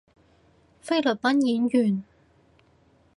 菲律賓演員